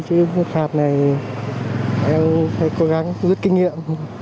chứ phạt này em phải cố gắng rút kinh nghiệm